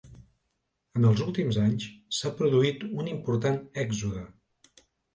En els últims anys, s'ha produït un important èxode.